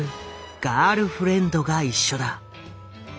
ガールフレンドが一緒だ。